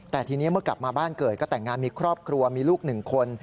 แต่ทีนี้เมื่อกลับมาบ้านเกิดก็แต่งงานมีครอบครัวมีลูกหนึ่งคน